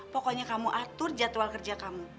pokoknya kamu atur jadwal kerja kamu